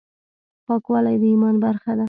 پاکوالی د ایمان برخه ده.